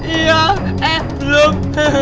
iya eh belum